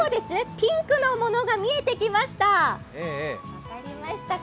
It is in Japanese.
ピンクのものが見えてきました。